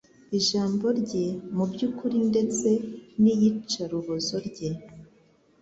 Ijambo rye mubyukuri ndetse niyicarubozo rye